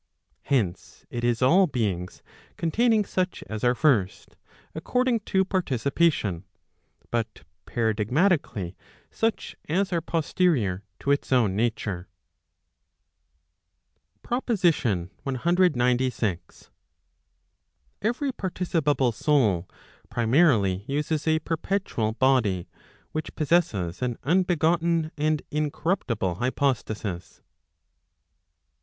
Hence it is all beings, containing such as are first, according to participation, but paradigmati¬ cally such as are posterior to its own nature. Digitized by t^OOQLe PROP. CXCVI. CXCVII. OF THEOLOGY. 431 PROPOSITION CXCVI. Every participable soul, primarily uses a perpetual body, which possesses an unbegotten and incorruptible hypostasis.